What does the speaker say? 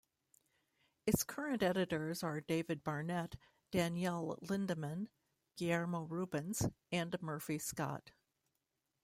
Its current editors are Dave Barnette, Danielle Lindemann, Guillermo Rubens, and Murphy Scott.